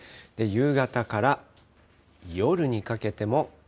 夕方から夜にかけても。